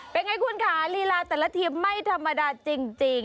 เป็นไงคุณค่ะลีลาแต่ละทีมไม่ธรรมดาจริง